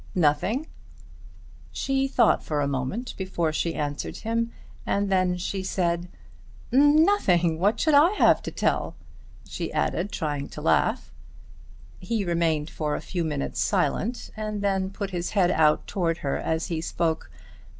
"Nothing?" She thought a moment before she answered him and then she said, "Nothing. What should I have to tell?" she added trying to laugh. He remained for a few minutes silent, and then put his head out towards her as he spoke.